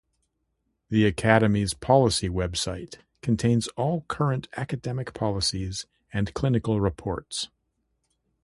The academy's policy website contains all current academy policies and clinical reports.